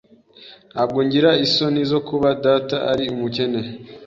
Ntabwo ngira isoni zo kuba data ari umukene.